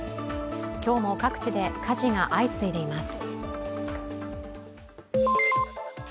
今日も各地で火事が相次いでいます。